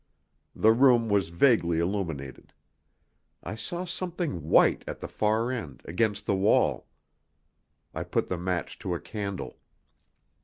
The room was vaguely illuminated. I saw something white at the far end, against the wall. I put the match to a candle.